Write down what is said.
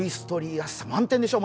らしさ満点でしょ？